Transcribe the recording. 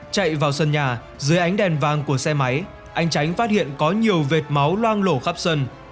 chạy vào sân nhà dưới ánh đèn vàng của xe máy anh tránh phát hiện có nhiều vệt máu loang lổ khắp sân